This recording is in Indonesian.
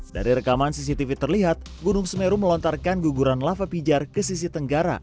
dari rekaman cctv terlihat gunung semeru melontarkan guguran lava pijar ke sisi tenggara